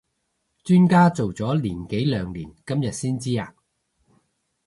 磚家做咗年幾兩年今日先知呀？